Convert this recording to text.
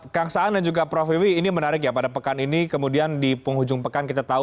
kang saan dan juga prof wiwi ini menarik ya pada pekan ini kemudian di penghujung pekan kita tahu